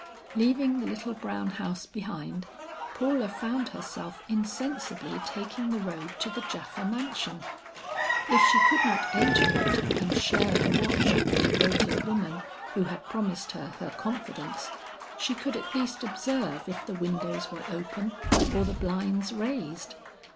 Leaving the little brown house behind, Paula found herself insensibly taking the road to the Japha mansion. If she could not enter it and share the watch of the devoted woman who had promised her her confidence, she could at least observe if the windows were open or the blinds raised.